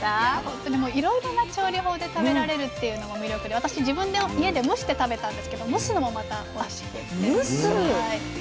本当にいろいろな調理法で食べられるっていうのも魅力で私自分の家で蒸して食べたんですけど蒸すのもまたおいしいですね。